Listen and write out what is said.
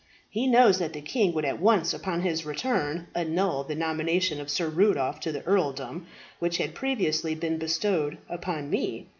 He knows that the king would at once upon his return annul the nomination of Sir Rudolph to the earldom which had previously been bestowed upon me.